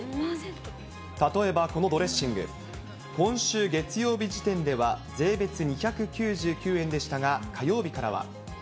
例えばこのドレッシング、今週月曜日時点では、税別２９９円でしたが、火曜日からは。